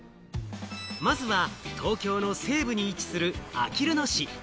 まずは東京の西部に位置する、あきる野市。